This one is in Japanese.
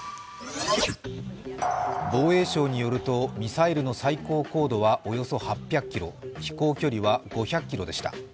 防衛省によると、ミサイルの最高高度はおよそ８００ｋｍ、飛行距離は５００ｋｍでした。